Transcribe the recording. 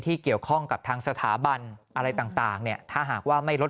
เกี่ยวข้องกับทางสถาบันอะไรต่างเนี่ยถ้าหากว่าไม่ลด